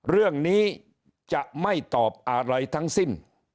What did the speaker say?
เรื่องนี้จะไม่ตอบอะไรทั้งสิ้น